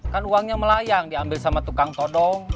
kan uangnya melayang diambil sama tukang todong